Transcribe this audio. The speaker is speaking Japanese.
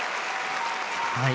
はい。